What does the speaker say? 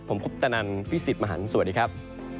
ผมคุปตนันพี่สิทธิ์มหันฯสวัสดีครับ